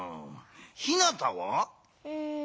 ひなたは？